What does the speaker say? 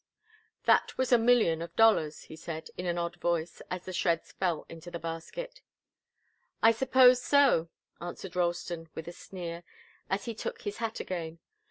"That was a million of dollars," he said, in an odd voice, as the shreds fell into the basket. "I suppose so," answered Ralston, with a sneer, as he took his hat again.